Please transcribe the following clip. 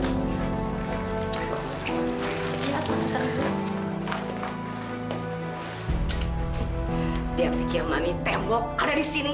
dia pikir mami tembok ada di sini